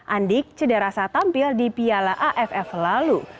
andik cederasa tampil di piala aff lalu